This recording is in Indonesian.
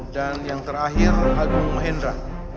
dan yang terakhir agung mahendra